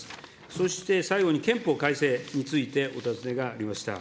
そして、最後に憲法改正についてお尋ねがありました。